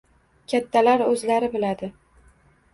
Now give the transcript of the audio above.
«Kattalar o‘zlari biladi»